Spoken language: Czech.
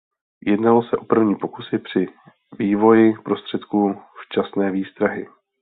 Jednalo se o první pokusy při vývoji prostředků včasné výstrahy.